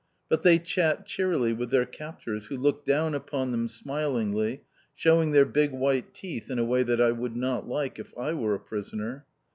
But they chat cheerily with their captors, who look down upon them smilingly, showing their big white teeth in a way that I would not like if I were a prisoner!